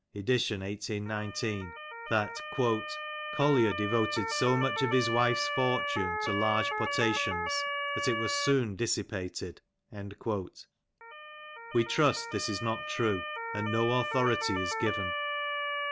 edit. 1819) that Collier devoted so much of his " wife's fortune to large potations that it was soon dissipated. "' We trust this is not true, and no authority is given.